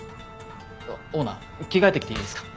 オーナー着替えてきていいですか？